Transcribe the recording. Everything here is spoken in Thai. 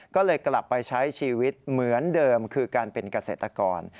ก็เลยกลับไปใช้ชีวิตเหมือนเดิมคือการเป็นเกษตรกร